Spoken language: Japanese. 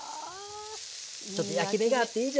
ちょっと焼き目があっていいじゃないですか。